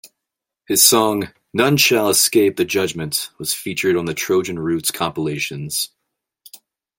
His song "None Shall Escape the Judgement" was featured on the Trojan roots compilations.